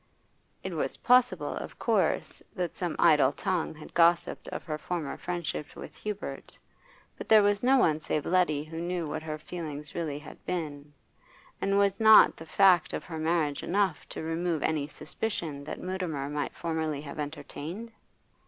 It was possible, of course, that some idle tongue had gossiped of her former friendship with Hubert, but there was no one save Letty who knew what her feelings really had been, and was not the fact of her marriage enough to remove any suspicion that Mutimer might formerly have entertained?